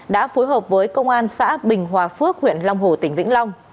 đã phối hợp với công an xã bình hòa phước huyện long hồ tỉnh vĩnh long